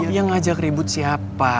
dia ngajak ribut siapa